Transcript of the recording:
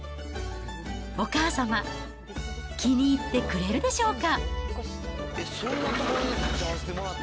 お母様、気に入ってくれるでしょうか。